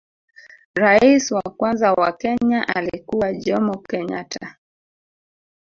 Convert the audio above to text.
rais wa kwanza wa kenya alikuwa jomo kenyatta